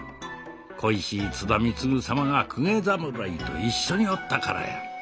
恋しい津田貢様が公家侍と一緒におったからや。